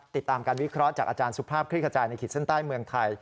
ติดตามการวิเคราะห์จากอาจารย์สุภาพคลิกขจายในขีดเส้นใต้เมืองไทย